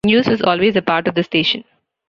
News was always a part of the station.